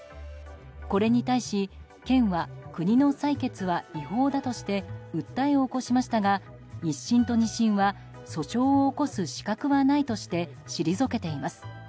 これに対し、県は国の採決は違法だとして訴えを起こしましたが１審と２審は訴訟を起こす資格はないとして退けています。